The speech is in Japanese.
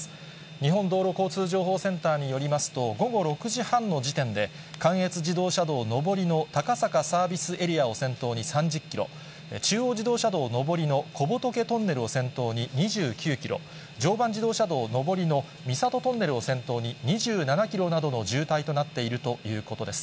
日本道路交通情報センターによりますと、午後６時半の時点で、関越自動車道上りの高坂サービスエリアを先頭に３０キロ、中央自動車上りの小仏トンネルを先頭に２９キロ、常磐自動車道上りの三郷トンネルを先頭に２７キロなどの渋滞となっているということです。